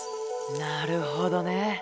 なるほどね。